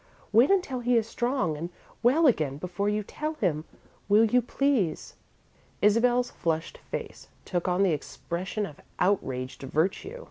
Wait until he is strong and well again before you tell him. Will you, please?" Isabel's flushed face took on the expression of outraged virtue.